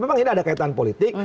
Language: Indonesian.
memang ini ada kaitan politik